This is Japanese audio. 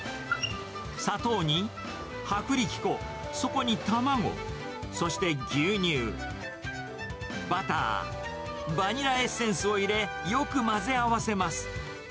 砂糖に薄力粉、そこに卵、そして牛乳、バター、バニラエッセンスを入れ、よく混ぜ合わせます。